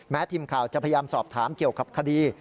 ทีมข่าวจะพยายามสอบถามเกี่ยวกับคดี